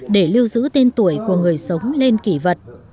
để lưu giữ tên tuổi của người sống lên kỷ vật